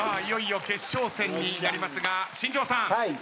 いよいよ決勝戦になりますが新庄さん。